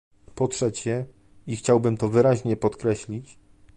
Po trzecie, i chciałbym to wyraźne podkreślić